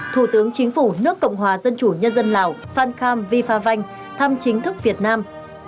thủ tướng chính phủ nước cộng hòa dân chủ nhân dân lào phan kham vifa vanh thăm chính thức việt nam